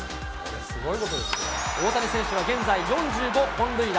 大谷選手は現在、４５本塁打。